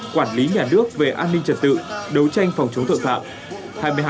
quản lý nhà nước về an ninh trật tự đấu tranh phòng chống tội phạm